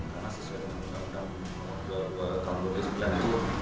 karena sesuai dengan bentor tahun dua ribu sembilan itu